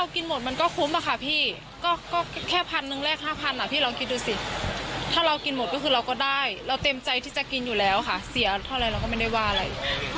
ก็การติการับได้